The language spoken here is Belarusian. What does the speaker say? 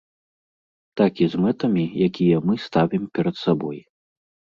Так і з мэтамі, якія мы ставім перад сабой.